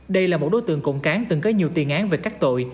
đây là một đối tượng cộng cán từng có nhiều tiền án về các tội